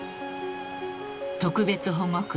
［特別保護区